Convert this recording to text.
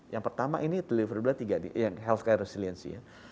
yang pertama ini deliverability yang healthcare resiliency